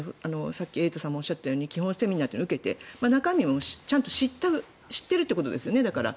さっきエイトさんがおっしゃったように基本セミナーというのを受けてちゃんと中見も知っているということですよね。